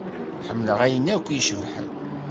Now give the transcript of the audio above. Ḥemmleɣ ayen akk icebḥen.